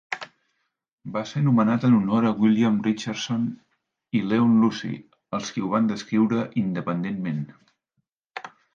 Va ser nomenat en honor a William Richardson i Leon Lucy, els qui ho van descriure independentment.